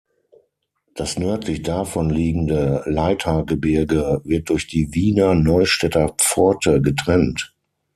Das nördlich davon liegende Leithagebirge wird durch die Wiener Neustädter Pforte getrennt.